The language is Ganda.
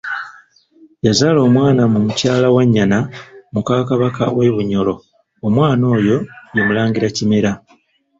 Yazaala omwana mu Mukyala Wannyana muka Kabaka w'e Bunyoro, omwana oyo ye Mulangira Kimera.